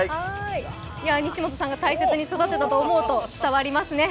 西元さんが大切に育てたと思うと伝わりますね。